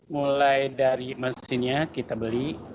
mulai dari mesinnya kita beli